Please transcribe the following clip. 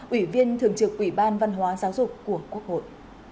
ủy viên thường trực ủy ban văn hóa giáo dục của quốc hội